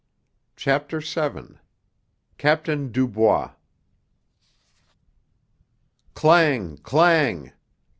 CHAPTER VII CAPTAIN DUBOIS Clang! Clang!